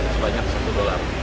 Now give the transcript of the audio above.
sebanyak satu dolar